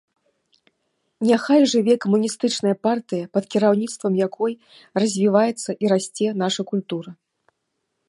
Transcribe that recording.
Няхай жыве камуністычная партыя, пад кіраўніцтвам якой развіваецца і расце наша культура!